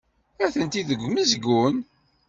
Atenti deg umezgun.